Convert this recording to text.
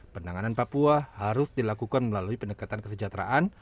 penanganan papua harus dilakukan melalui pendekatan kesejahteraan